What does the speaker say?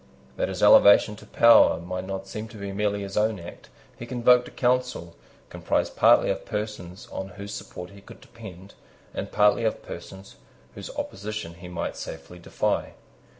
That his elevation to power might not seem to be merely his own act, he convoked a council, composed partly of persons on whose support he could depend, and partly of persons whose opposition he might safely defy.